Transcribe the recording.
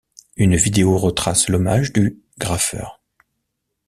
Une vidéo retrace l'hommage du graffeur.